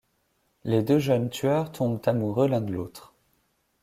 Les deux jeunes tueurs tombent amoureux l'un de l'autre.